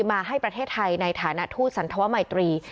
มาให้ประเทศไทยในฐานะทูตสันธวมัยตรี